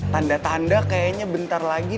tanda tanda kayaknya bentar lagi